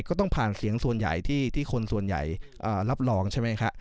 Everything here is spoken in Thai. ก็ต้องผ่านเสียงส่วนใหญ่ที่คนส่วนใหญ่รับรองใช่ไหมครับ